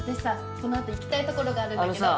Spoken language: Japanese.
このあと行きたい所があるんだけど。